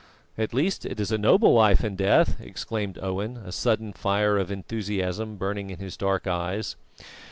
"At least it is a noble life and death!" exclaimed Owen, a sudden fire of enthusiasm burning in his dark eyes.